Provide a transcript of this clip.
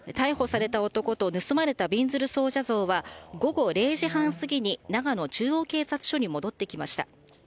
逮捕された男と盗まれたびんずる尊者像は午後０時半過ぎに長野中央警察署に戻ってきました。